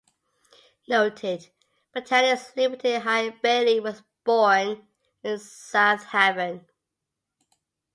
Noted botanist Liberty Hyde Bailey was born in South Haven.